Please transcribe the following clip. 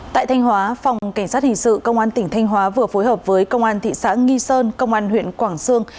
tại thanh hóa phòng cảnh sát hình sự công an tỉnh thanh hóa vừa phối hợp với công an thị xã nghi sơn công an huyện quảng sương